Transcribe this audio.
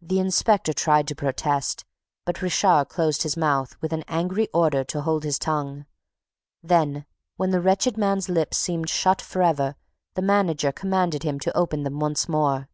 The inspector tried to protest, but Richard closed his mouth with an angry order to hold his tongue. Then, when the wretched man's lips seemed shut for ever, the manager commanded him to open them once more.